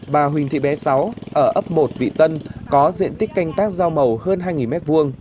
bà huỳnh thị bé sáu ở ấp một vị tân có diện tích canh tác dao màu hơn hai m hai